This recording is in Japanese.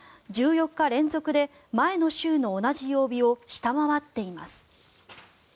１４日連続で前の週の同じ曜日を下回っています。